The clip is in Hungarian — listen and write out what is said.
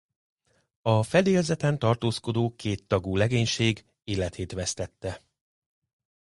A fedélzeten tartózkodó kéttagú legénység életét vesztette.